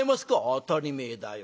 「当たり前だよ。